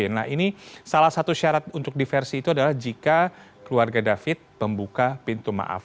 nah ini salah satu syarat untuk diversi itu adalah jika keluarga david membuka pintu maaf